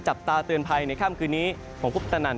จับตาเตือนภัยในค่ำคืนนี้ผมคุปตนัน